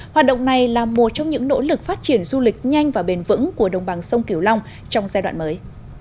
hoạt động này là một trong những nỗ lực phát triển du lịch nhanh và bền vững của đồng bằng sông kiều long trong giai đoạn mới